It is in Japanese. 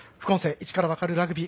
「イチからわかるラグビー」